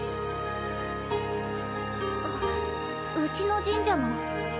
あうちの神社の。